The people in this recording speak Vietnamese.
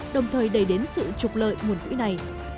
đồng thời đầy đến sự trục lợi nguồn quỹ này